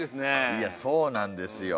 いやそうなんですよ。